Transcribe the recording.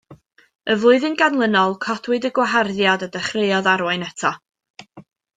Y flwyddyn ganlynol codwyd y gwaharddiad a dechreuodd arwain eto.